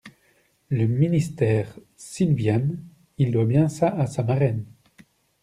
Le ministère Silviane … Il doit bien ça à sa marraine.